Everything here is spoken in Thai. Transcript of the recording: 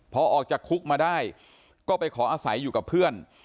พอออกจากคุกมาได้ก็ไปขออาศัยอยู่กับเพื่อน